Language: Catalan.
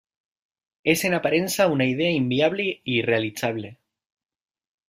És en aparença una idea inviable i irrealitzable.